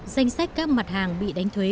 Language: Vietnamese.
danh sách các mặt hàng bị đánh thuế